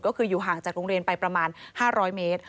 ก็คืออยู่ห่างจากโรงเรียนไปประมาณ๕๐๐เมตร